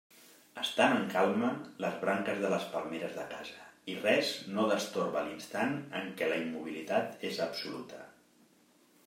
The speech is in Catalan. Estan en calma les branques de les palmeres de casa i res no destorba l'instant en què la immobilitat és absoluta.